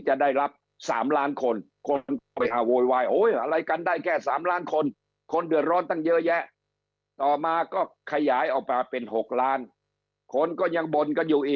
จะได้รับสามล้านคนโอ้ยอะไรกันได้แค่สามล้านคนคนเดือด